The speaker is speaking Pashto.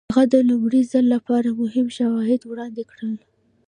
هغه د لومړي ځل لپاره مهم شواهد وړاندې کړل.